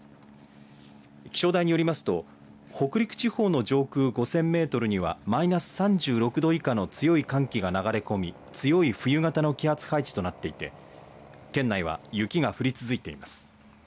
気象台によりますと北陸地方の上空５０００メートルにはマイナス３６度以下の強い寒気が流れ込み強い冬型の気圧配置となっていて県内は、雪が降り続いています。